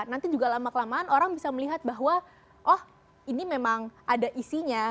nanti juga lama kelamaan orang bisa melihat bahwa oh ini memang ada isinya